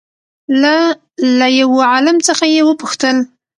له له يوه عالم څخه يې وپوښتل